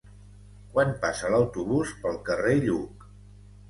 Quan passa l'autobús pel carrer Lluc?